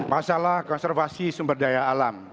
masalah konservasi sumber daya alam